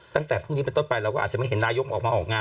ตั้งแต่พรุ่งนี้เป็นต้นไปเราก็อาจจะไม่เห็นนายกออกมาออกงาน